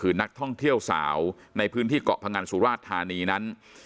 คือนักท่องเที่ยวสาวในพื้นที่เกาะพงันสุราชธานีนั้น